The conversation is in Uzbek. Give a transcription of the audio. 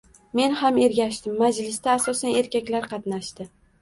Men ham ergashdim. Majlisda asosan erkaklar qatnashadi.